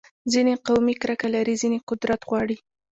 ځینې قومي کرکه لري، ځینې قدرت غواړي.